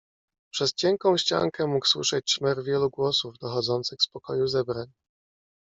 "Przez cienką ściankę mógł słyszeć szmer wielu głosów, dochodzących z pokoju zebrań."